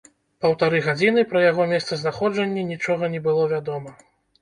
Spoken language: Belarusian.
Паўтары гадзіны пра яго месцазнаходжанне нічога не было вядома.